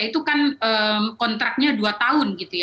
itu kan kontraknya dua tahun